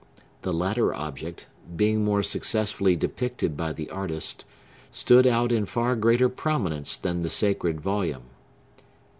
The latter object, being more successfully depicted by the artist, stood out in far greater prominence than the sacred volume.